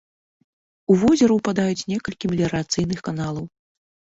У возера ўпадаюць некалькі меліярацыйных каналаў.